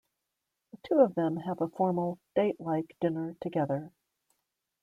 The two of them have a formal, date-like dinner together.